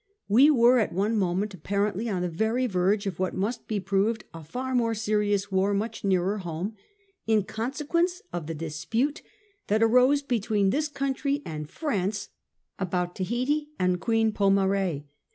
We were at one moment apparently on the very verge of what must have proved a far more serious war much nearer home, in consequence of the dispute that arose between this country and France about Tahiti and Queen Pomare.